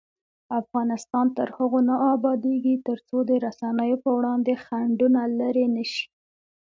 افغانستان تر هغو نه ابادیږي، ترڅو د رسنیو پر وړاندې خنډونه لیرې نشي.